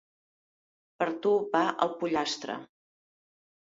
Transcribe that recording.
Per tu va el pollastre!